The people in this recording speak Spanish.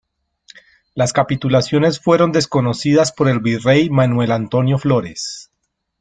Las capitulaciones fueron desconocidas por el virrey Manuel Antonio Flórez.